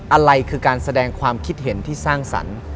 อะไรคือการแสดงความคิดเห็นที่สร้างสรรค์